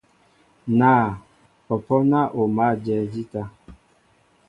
Naa , pɔ́pɔ́ ná o mǎl ajɛɛ jíta.